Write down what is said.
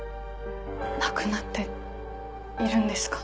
亡くなっているんですか？